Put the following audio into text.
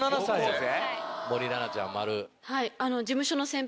森七菜ちゃん「○」。